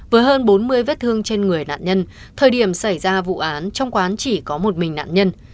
với hơn bốn mươi vết thương trên người nạn nhân thời điểm xảy ra vụ án trong quán chỉ có một mình nạn nhân